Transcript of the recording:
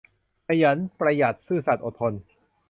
ขยัน ประหยัด ซื่อสัตย์ อดทน